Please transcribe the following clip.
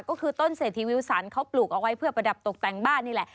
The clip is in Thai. ก็คือต้นเศรษฐีวิวสันเขาปลูกเอาไว้เพื่อประดับตกแต่งบ้านนี่แหละ